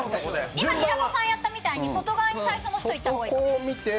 今平子さんやったみたいに外側にやった方がいい。